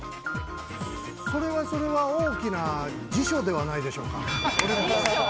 それはそれは大きな辞書ではないでしょうか？